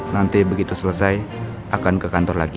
nanti begitu selesai akan ke kantor lagi